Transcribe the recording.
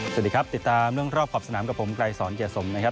สวัสดีครับติดตามเรื่องรอบขอบสนามกับผมไกลสอนเกียรติสมนะครับ